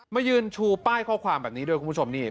มายืนชูป้ายข้อความแบบนี้ด้วยคุณผู้ชมนี่